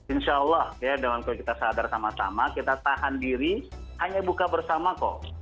insya allah ya dengan kalau kita sadar sama sama kita tahan diri hanya buka bersama kok